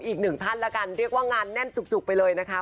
อีก๑ท่านก็เรียกว่างานแน่นจู๊กไปเลยนะคะ